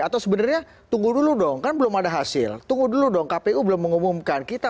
atau sebenarnya tunggu dulu dong kan belum ada hasil tunggu dulu dong kpu belum mengumumkan kita